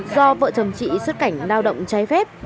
do vợ chồng chị xuất cảnh lao động trái phép